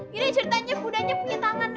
gede ceritanya buddhanya punya tangan